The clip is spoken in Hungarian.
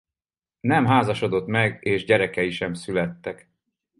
Nem házasodott meg és gyerekei sem születtek.